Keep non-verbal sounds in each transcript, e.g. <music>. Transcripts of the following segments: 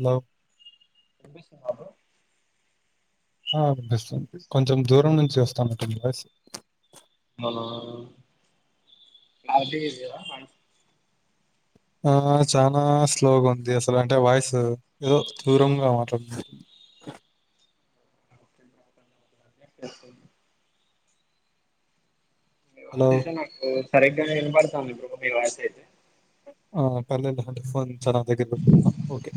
Hello <inaudible> ఆ అనిపిస్తుంది కొంచెం దూరం నుంచి వస్తానని చెప్పేసి ఆహా చనా స్లోగా ఉంది అసలు అంటే వాయిస్ ఏదో దూరంగా మాట్లా హలో! అయితే నాకు సరిగ్గా వినపడ్తాంది ఇప్పుడు మీ వాయిస్ అయితే అ పర్లేదులే అంటే ఫోన్ చానా దగ్గర పెట్టుకున్న ఓకే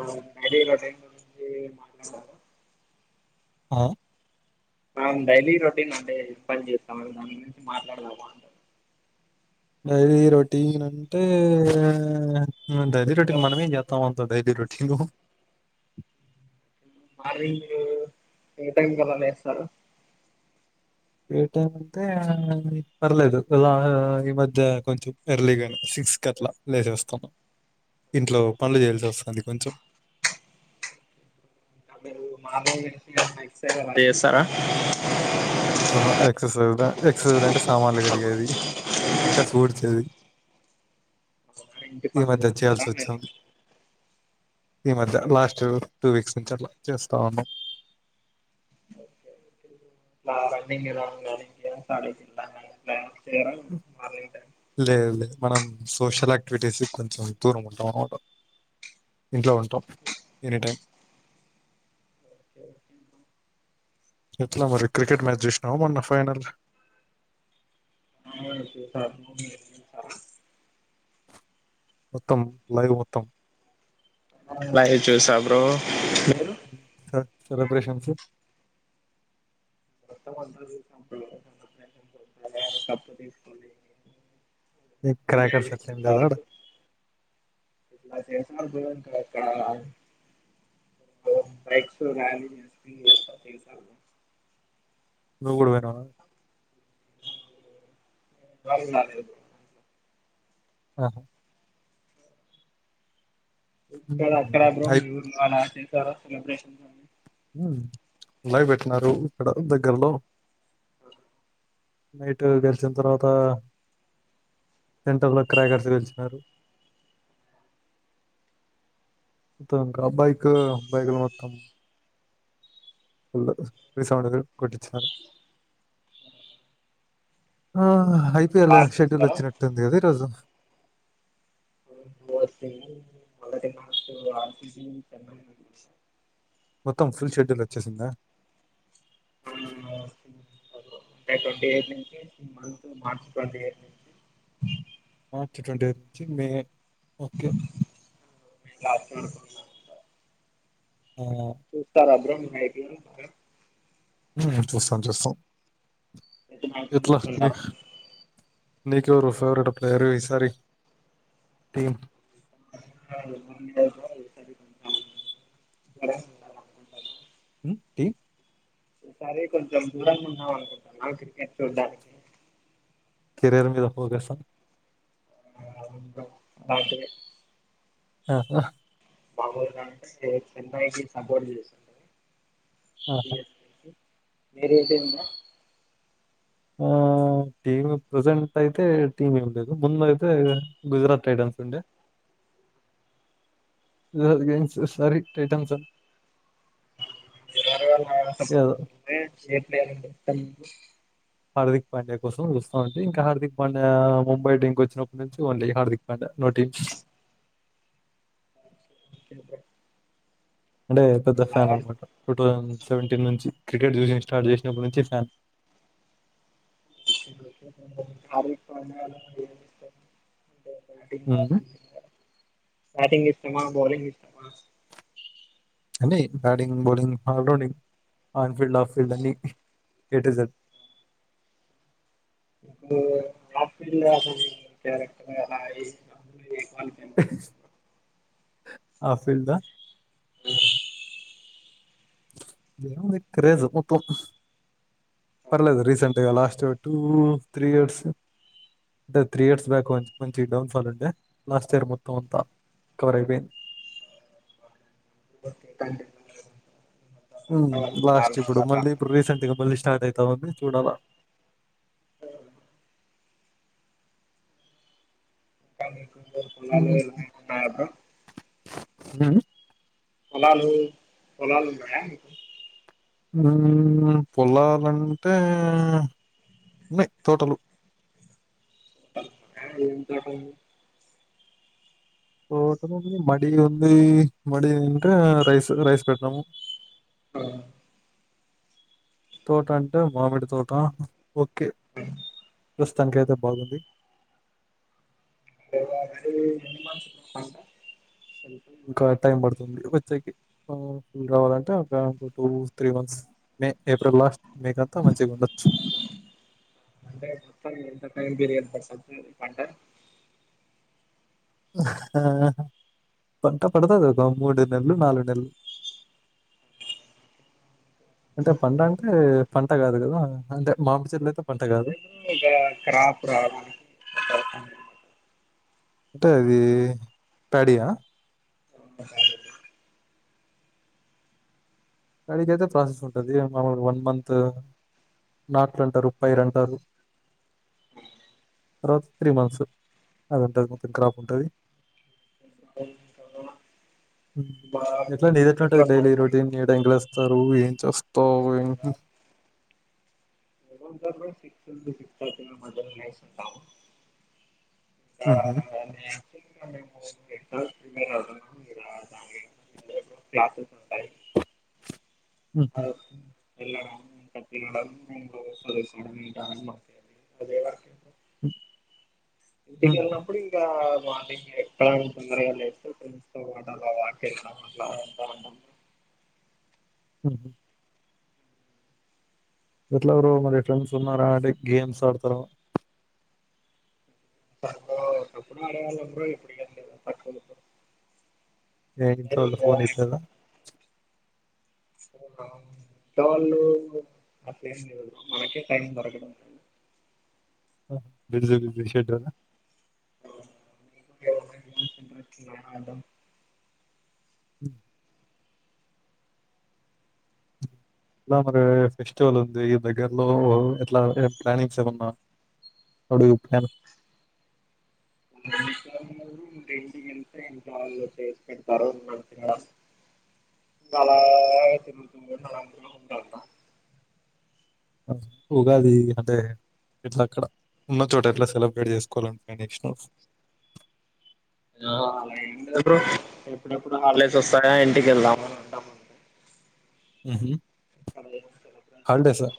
ఆ నడిలా టైం నుంచి మాట్లాడారు <unintelligible> అ మనం డైలీ రొటీన్ అంటే పని చేస్తాం గానీ మాట్లాడదామా డైలీ రొటీన్ అంటే త డైలీ రొటీను మార్నింగ్ మీరు ఏ టైమ్ కల్ల లేస్తారు ఏ టైమ్ అంటె పర్లేదు ఎలా ఈ మధ్య కొంచెం ఎర్లీగనే లేసి సిక్స్ క్కట్ల లేసేస్తమ్ ఇంట్లో పనులు చేయాల్సి వస్తది కొంచెం వంటా చేస్తారా అ హా ఎక్ససైజ్ ఎక్ససైజ్ అంటే సామాన్లు కడిగేది కౌసు ఊడ్చేది <inaudible> ఇంటి ఈ పనులు మధ్య చేయాల్సి చేస్తారా మీరు వచ్చింది ఈ మధ్య లాస్ట్ టూ వీక్స్ నుంచి అట్ల చేస్తా ఉన్నాం రన్నింగ్ ఎలా కూర ఆలుగడ్డ లేదు లేదు మనం సోషల్ యాక్టివిటీస్కి కొంచెం దూరం ఉంటం అనమాట ఇంట్లో ఉంటం ఎనీ టైమ్ ేే <inaudible> ఎట్ల మరి క్రికెట్ మ్యాచ్ చుసినావ మొన్న ఫైనల్ అవును చూసాను మీరు చూసారా మొత్తం లైవ్ మొత్తం లైట్ చూస బ్రో హా సెలబ్రేషన్స్ కప్పు తీసుకోని క్రాకర్స్ ఎస అట్లా ఏం లేదా ఆడ <unintelligible> ఎక్కడా బైక్ తో ర్యాలీ నువ్వు కూడా పోయినవ కా నకు <unintelligible> హా ఇక్కడ అక్కడ మ్మ్. బ్రో హైప్ ఊర్లలో సెలబ్రేషన్స్ లైవ్ పెట్టినారు ఇక్కడ దగ్గరలో అ <inaudible> నైట్ గెలిచిన్ తర్వాత సెంటర్లో క్రాకర్స్ పెల్చినారు త ఆ బైక్ బైకులు మొత్తం ఫుల్ రిసౌండ్ కొట్టిచినారు ఆహ్ ఐపిఎల్ షెడ్యూల్ వచ్చినట్టుంది కద ఈ రోజు <unintelligible> ఆర్ సి బి చెన్నై మొత్తం ఫుల్ షెడ్యూల్ వచ్చేసిందా <inaudible> ట్వంటీ ఎయిట్ నుంచి ఈ మంత్ మార్చ్ ట్వంటీ ఎయిట్ నుంచి మార్చ్ ట్వంటీ ఎయిట్ నుంచి మే ఓకే. <inaudible> అ <unintelligible> హ్మ్ చూస్తాం చూస్తాం ప్రతి మ్యాచ్ చూస్తున్నారా? నీకు ఎవరు ఫేవరేట్ ప్లేయరు ఈసారి టీం <unintelligible> టి ఈసారి కొంచెం దూరంగా ఉందాం అనుకుంటున్నా క్రికెట్ చూడ్డానికి కెరీయర్ మీద ఫోకసా ఆ అవును బ్రో <unintelligible> ఆహా మామూలుగాంటే చెన్నైకి సపోర్ట్ చేస్తుండే సి ఆహా! ఎస్ కే కి మీరు ఏ టీము? ఆ టీమ్ ప్రజెంట్ అయితే టీమ్ ఏం లేదు ముందయితే గుజరాత్ <unintelligible> ఉండే <inaudible> games sorry Titan sun <unintelligible> Hardik Pandya కోసం చూస్తా ఉంటి ఇంకా హార్దిక్ పాండ్యా ముంబై టీమ్ వచ్చినప్పటి నుంచి only Hardik no teams okay bro అంటే పెద్ద ఫ్యాన్ అన్నమాట టూ థౌజండ్ సెవెంటీన్ నుంచి క్రికెట్ చూసిన స్టార్ట్ చేసినప్పటి నుంచి ఫ్యాన్ హార్దిక్ పాండ్య <inaudible> హ్మ్. బ్యాటింగ్ ఇష్టమా బౌలింగ్ ఇష్టమా అంటే batting bowling all rounding on field off field అన్ని A to Z E <unintelligible> character half field అ ఏముంది క్రేజ్ మొత్తం పర్లేదు రీసెంట్గా లాస్ట్ టూ త్రీ ఇయర్స్ అంటే త్రీ ఇయర్స్ బ్యాక్ మంచి డౌన్ ఫాల్ ఉండే లాస్ట్ ఇయర్ మొత్తం అంతా కవరైపోయింది <unintelligible> ఉమ్ లాస్ట్ ఇప్పుడు మళ్ళీ ఇప్పుడు రీసెంట్గా మళ్ళీ స్టార్ట్ అవుతా ఉంది చూడాలా ఆ హ్మ్. <unintelligible> <inaudible> ఆ పోలాలు పొలాలున్నయా మీకు పొలాలంటే ఉన్నయి తోటలు ఆ ఏ ఎంతంట మడి ఉంది మడి అంటే రైస్ రైస్ పెట్టినాము. ఆ తోటంటే మామిడి తోట ఓకే అ <inaudible> <unintelligible> ప్రస్తుతానికి అయితే బాగుంది. అే అడి ఎన్ని మాసు <unintelligible> ఇంకా టైం పడుతుంది. ఆ వచ్చేకి ఫుల్ రావాలంటే ఒక two three months May April last మేకంతా మంచిగా ఉండొచ్చు అంటే ఎంత <inaudible> పంట ఆ ఆ పంట పడతది ఒక మూడు నెలలు నాలుగు నెలలు <inaudible> అంటే పండానికి అంటే పంట కాదు కదా అంటే మామి చెట్లు అయితే పంట కాదు. ఒక క్రాపు రా అంటే అది ప్యాడ్డియా క్రికు ప్యాడ్డికి అయితే ప్రాసెస్ ఉంటది మమ వన్ మంత్ నాట్లుంటారు పైరంటారు తర్వాత త్రీ మంత్స్ అదంట కొంచెం క్రాప్ ఉంటుంది త <inaudible> ఎట్లా నీది ఎట్లుంటది డైలీ రొటీన్ ఎంత కి లేస్తారు ఏం చేస్తావు ఏంటి త మద సా <inaudible> హుహు. అ <inaudible> హలో <inaudible> హ్మ్ సవదస్సు మా అదే <inaudible> అ <inaudible> ఇంటికి వెళ్ళినప్పుడు ఇంకా మార్నింగ్ ఎక్కడ తొందరగా లేస్తామ్ ఏదో అలా వాక్ చేసి హు హ్మ్ ఎట్ల బ్రో ఎవరు మరి ఫ్రెండ్స్ ఉన్నారా అంటే గేమ్స్ ఆడతారా అ ఒకప్పుడు ఆడేవాళ్ళ బ్రో ఇప్పుడుకి వీలు లేదు తక్కువ బ్రో ఏ ఇంట్లోల్లు ఫోన్ ఇయ్యట్లేదా వాళ్ళు అట్లేం లేదు మనకే టైం దొరకడం లేదు బిల్దు బిల్జ చెడ్డోళ్ల <inaudible> అట్లేం లేదు హ ఎలా మరి ఫెస్టివల్ ఉంది ఇ దగ్గర్లో ఎట్లా ప్లానింగ్స్ ఏమన్నా అడుప్పను అ రెండు ఎస ఎం కా చేస్ పెడతారోతు <inaudible> <inaudible> ఉగాది అంటే ఎట్లా అక్కడ ఉన్న చోట ఎట్లా సెలబ్రేట్ చేసుకోవాలనికుంటున్నావ్ నెక్స్ట్ మంత్ <inaudible> అలా ఏం లేదు బ్రో ఎప్పుడెప్పుడు హాలిడేస్ వస్తాయా ఇంటికి వెళ్దామని అనుకుంటూ అ <inaudible> హ్మ్ హు అదే <inaudible>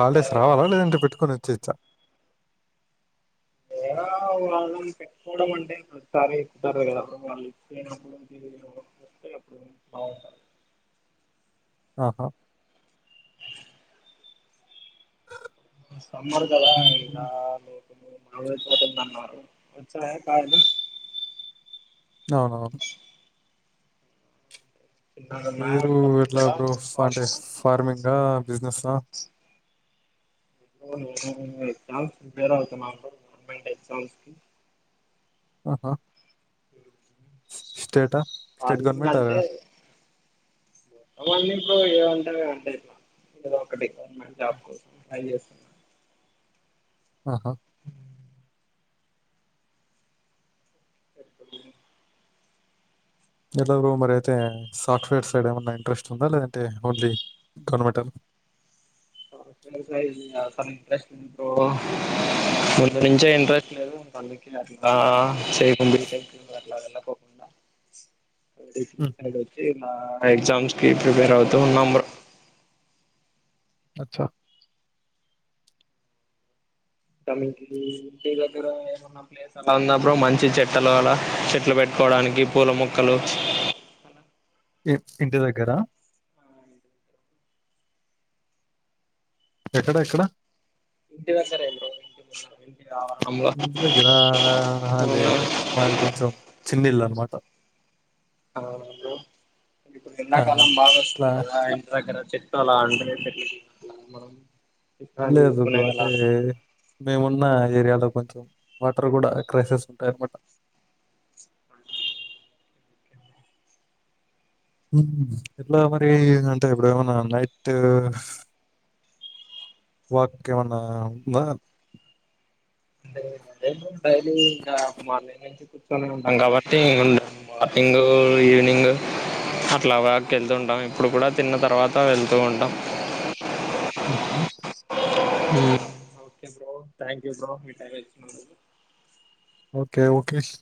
హాలిడేస్ రావాలా లేదంట పెట్టుకొని వచ్చేయొచ్చా ఏదో వాళ్ళని పెట్టుకోవడం అంటే ప్రతిసారి ఇత్తరు గదా వాళ్ళు ఇచ్చినప్పుడు ఎప్పుడు బంట <inaudible> ఆహా సమ్మర్ కదా హ్మ్. రాలేదు మా వాటందన్నారు <unintelligible> వచ్చాయా కార్డు అవునా మీరు ఎట్లా బ్రో అంటే ఫార్మింగా బిజినెస్ సా హలో నేను ఎగ్జామ్స్ ప్రిపేర్ అవుతున్నా బ్రో గవర్నమెంట్ ఎగ్జామ్స్ కి ఆహా స్టేటా స్టేట్ గవర్నమెంట్ అవేగా అవన్మీ ఇంట్లో ఏముంటది ఏమో ఏదో ఒకటి గవర్నమెంట్ జాబ్ కోసం ట్రై జేస్తున్నా ఆహా ఎట్ల బ్రో మరి అయితే సాఫ్ట్వేర్ సైడ్ ఏమన్నా ఇంట్రెస్ట్ ఉందా లేదంటే ఓన్లీ కొనమాటారు <unintelligible> <inaudible> సాఫ్ట్వైర్ అసలు ఇంట్రెస్ట్ బ్రో ముందు నుంచే ఇంట్రెస్ట్ లేదు అందుకే అట్లా చేయక ముందుకే అట్లా పోత డిగ్రీ హుహు. సైడ్ వచ్చి ఇలా ఎగ్జామ్స్ కి ప్రిపేర్ అవుతూ ఉన్నాం బ్రో అచ్చా తమకి ఇంటి దగ్గర ఏమన్నా ప్లేస్ అలా ఉందా బ్రో మంచి చెట్లు అలా చెట్లు పె ట్టుకోవడానికి పూల మొక్కలు ఇ ఇంటి దగ్గరా ఎక్కడ ఎక్కడ ఇంటి దగ్గరే బ్రో ర ఇంటి దగ్గరా? ఆహా! లేదు లేదు. మాది కొంచెం చిన్న ఇల్లు <unintelligible> అనమాట. అవును ఇప్పుడు ఆ! ఎండాకాలం బాగా అట్లా వస్తుంది గదా ఇంటి దగ్గర చెట్టు అలా ఉంటే <unintelligible> పె మ లేదు బ్రో అంటే మేమున్న ఏరియాలో కొంచెం వాటర్ గూడా క్రైసిస్ ఉంటాయన్నమాట అంట <unintelligible> ఉమ్ ఎట్లా మరి అంటే ఇప్పుడు ఏమన్నా నైట్ వాక్ ఏమన్నా ఉందా అంటే డైలీ మార్నింగ్ నుంచి కూర్చొని ఉంటాం గాబట్టి ఉండదు వాకింగ్ ఇంగో ఈవినింగు అట్లా వాక్ యెళ్తుంటాం ఇప్పుడు కూడా తిన్న తర్వాత వెళ్తూ ఉంటాం ఏ <inaudible> ఉమ్ ఓకే బ్రో థ్యాంక్యు బ్రో మీ టైం ఇచ్చినందుకు ఓకే ఓకేష్